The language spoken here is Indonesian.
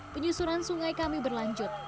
penyusuran sungai kami berlanjut